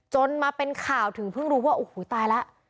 จนมาเป็นข่าวถึงเพิ่งรู้ว่าโอ้โหตายแล้ว